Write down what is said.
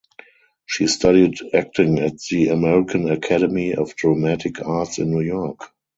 She studied acting at the American Academy of Dramatic Arts in New York.